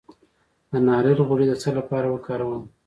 د ناریل غوړي د څه لپاره وکاروم؟